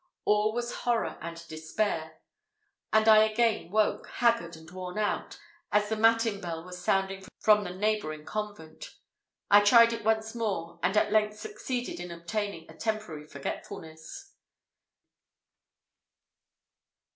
All was horror and despair; and I again woke, haggard and worn out, as the matin bell was sounding from the neighbouring convent: I tried it once more, and at length succeeded in obtaining a temporary forgetfulness.